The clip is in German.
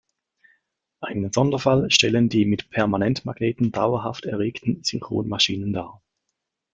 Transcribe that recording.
Einen Sonderfall stellen die mit Permanentmagneten dauerhaft erregten Synchronmaschinen dar.